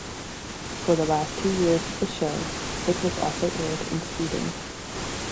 For the last two years of the show, it was also aired in Sweden.